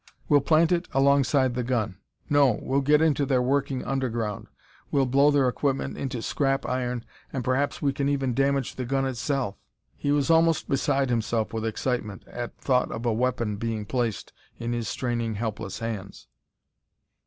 "We'll plant it alongside the gun No, we'll get into their working underground. We'll blow their equipment into scrap iron, and perhaps we can even damage the gun itself!" He was almost beside himself with excitement at thought of a weapon being placed in his straining helpless hands.